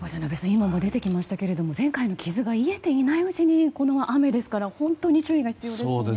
今も出てきましたが前回の傷がいえていないうちにこの雨ですから、本当に注意が必要ですね。